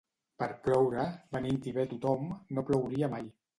Per ploure, venint-hi bé tothom, no plouria mai.